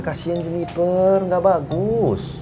kasian jeniper nggak bagus